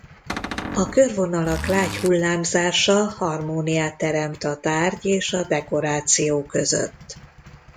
A körvonalak lágy hullámzása harmóniát teremt a tárgy és a dekoráció között.